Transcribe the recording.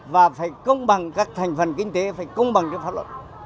và phải công bằng các thành phần kinh tế phải công bằng cho pháp luật